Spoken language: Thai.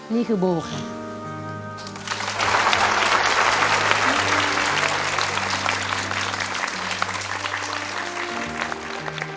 นี่คือโบค่ะ